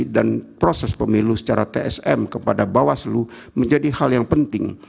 proses pemilu secara tsm kepada bawaslu menjadi hal yang penting